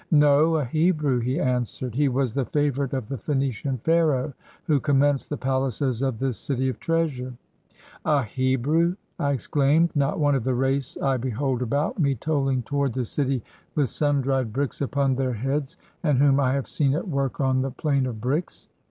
"No, a Hebrew," he answered. "He was the favorite of the Phoenician Pharaoh who commenced the palaces of this City of Treasure." "A Hebrew!" I exclaimed. "Not one of the race I 128 IN THE BRICK FIELDS behold about me toiling toward the city with sun dried bricks upon their heads, and whom I have seen at work on the plain of bricks?"